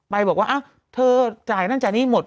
บอกว่าอ้าวเธอจ่ายนั่นจ่ายนี้หมด